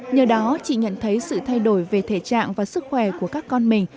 nhờ đó chị nhận thấy sự thay đổi về thể trạng và sức khỏe của các con mình